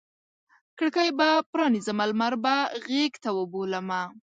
کړکۍ به پرانیزمه لمر به غیږته وبولمه